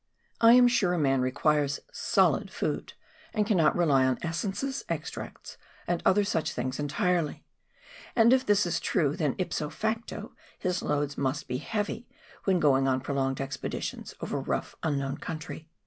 I am sure a man requires .so//(/ food, and cannot rely on essences, extracts, and other such things entirely ; and if this is true, then ipao facto, his loads must be heavy when going on prolonged expeditions over rough unknown country.